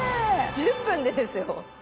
１０分でですよ。